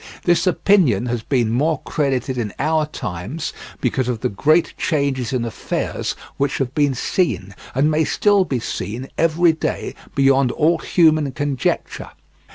This opinion has been more credited in our times because of the great changes in affairs which have been seen, and may still be seen, every day, beyond all human conjecture.